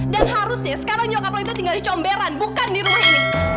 dan harusnya sekarang nyokap lo itu tinggal dicomberan bukan di rumah ini